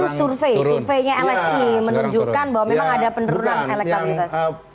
itu survei surveinya lsi menunjukkan bahwa memang ada penurunan elektabilitas